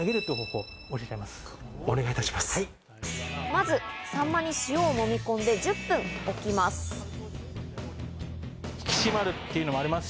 まずサンマに塩を揉み込んで１０分置きます。